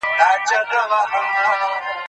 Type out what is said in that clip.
هغه وويل چي سفر ګټور دی؟